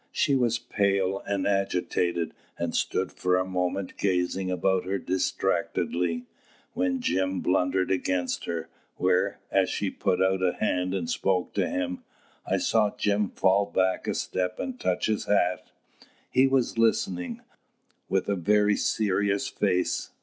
She was pale and agitated, and stood for a moment gazing about her distractedly, when Jim blundered against her, whereat she put out a hand and spoke to him. I saw Jim fall back a step and touch his hat. He was listening, with a very serious face.